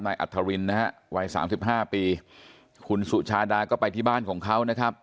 อัธรินนะฮะวัยสามสิบห้าปีคุณสุชาดาก็ไปที่บ้านของเขานะครับ